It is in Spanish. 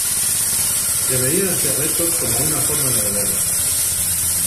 Deberían hacer retos como una forma de relevos.